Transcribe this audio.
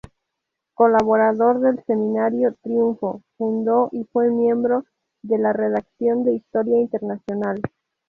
Colaborador del semanario "Triunfo", fundó y fue miembro de la redacción de "Historia Internacional".